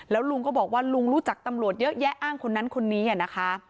แล้วลุงก็บอกว่าลุงรู้จักตำรวจเยอะแยะอ้างคนนั้นคนนี้นะคะ